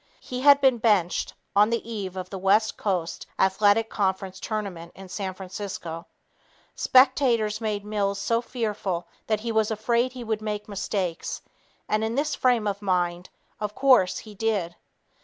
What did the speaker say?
He had been benched on the eve of the West Coast Athletic Conference tournament in San Francisco. Spectators made Mills so fearful that he was afraid he would make mistakes and in this frame of mind, of course, he did.